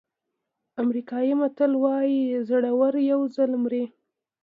امریکایي متل وایي زړور یو ځل مري.